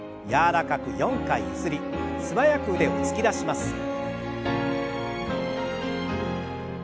柔らかく４回ゆすり素早く腕を突き出します。